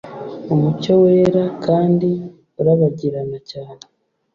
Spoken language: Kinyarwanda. Umucyo wera kandi urabagirana cyane